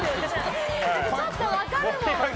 ちょっと分かるもん。